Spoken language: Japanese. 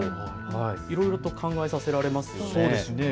いろいろと考えさせられますね。